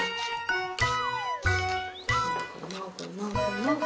もぐもぐもぐ。